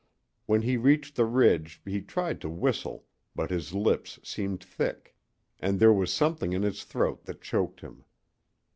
When he reached the ridge he tried to whistle, but his lips seemed thick, and there was something in his throat that choked him.